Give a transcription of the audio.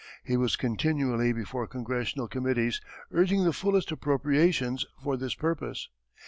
He was continually before Congressional committees urging the fullest appropriations for this purpose.